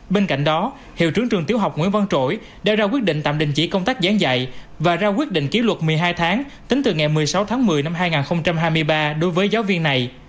bên cạnh đó hiệu trưởng trường tiểu học nguyễn văn trỗi đã ra quyết định tạm đình chỉ công tác gián dạy và ra quyết định ký luật một mươi hai tháng tính từ ngày một mươi sáu tháng một mươi năm hai nghìn hai mươi ba đối với giáo viên này